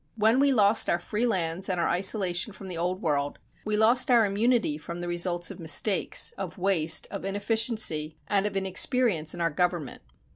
When we lost our free lands and our isolation from the Old World, we lost our immunity from the results of mistakes, of waste, of inefficiency, and of inexperience in our government.